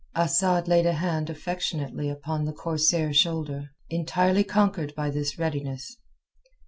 Asad laid a hand, affectionately upon the corsair's shoulder, entirely conquered by this readiness.